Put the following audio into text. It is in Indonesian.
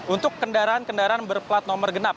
untuk kendaraan kendaraan berplat nomor genap